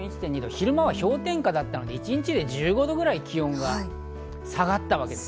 昼間は氷点下だったので一日で１５度くらい気温が下がったわけです。